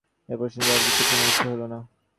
এ প্রশ্নের জবাব দিতে কুমুর ইচ্ছে হল না।